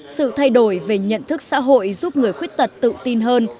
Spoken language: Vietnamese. sự thay đổi về nhận thức xã hội giúp người khuyết tật tự tin hơn